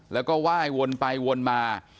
แล้วก็ไหว้วนไปวนมา